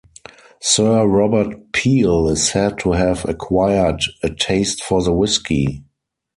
Sir Robert Peel is said to have acquired a taste for the whisky.